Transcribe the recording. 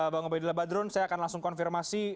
bang obaidillah badrun saya akan langsung konfirmasi